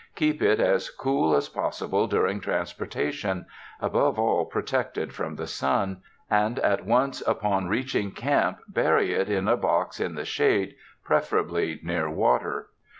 Keep it as cool as possible during transportation— above all, protected from the sun — and at once upon reaching camp bury it in a box in the shade, preferably near water.